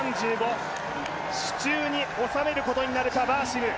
手中に収めることになるかバーシム。